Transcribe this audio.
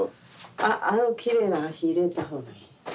ああのきれいな足入れた方がいい。